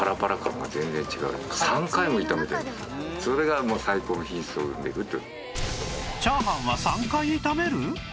それがもう最高の品質を生んでると。